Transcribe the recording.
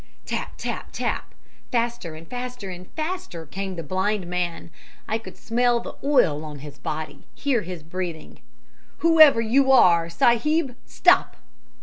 "Tap! tap! tap! Faster and faster, and faster came the blind man. I could smell the oil on his body, hear his breathing. "'Whoever you are, sahib, stop!'